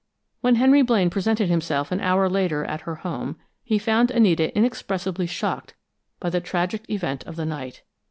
When Henry Blaine presented himself an hour later at her home, he found Anita inexpressibly shocked by the tragic event of the night.